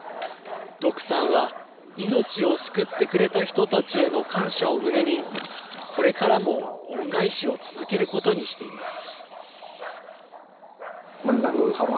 ドクさんは命を救ってくれた人たちへの感謝を胸に、これからも恩返しを続けることにしています。